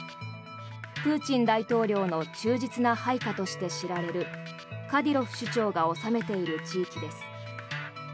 プーチン大統領の忠実な配下として知られるカディロフ首長が治めている地域です。